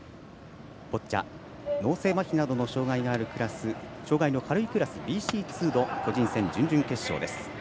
ボッチャ、脳性まひなどの障がいのあるクラス障がいの軽いクラス、ＢＣ２の個人戦、準々決勝です。